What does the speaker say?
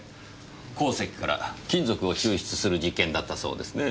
鉱石から金属を抽出する実験だったそうですねぇ。